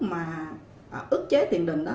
mà ước chế tiền đình